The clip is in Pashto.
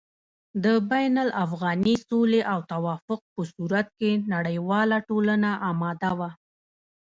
د بين الافغاني سولې او توافق په صورت کې نړېواله ټولنه اماده وه